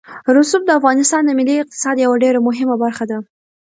رسوب د افغانستان د ملي اقتصاد یوه ډېره مهمه برخه ده.